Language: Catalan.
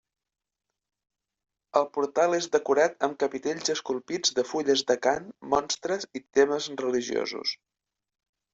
El portal és decorat amb capitells esculpits de fulles d'acant, monstres i temes religiosos.